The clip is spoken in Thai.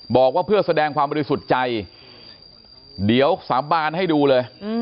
บอกว่าเพื่อแสดงความบริสุทธิ์ใจเดี๋ยวสาบานให้ดูเลย